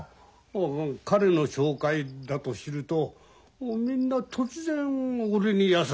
彼の紹介だと知るとみんな突然俺に優しくなるんだよ。